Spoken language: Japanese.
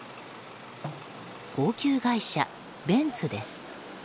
高級外車ベンツです。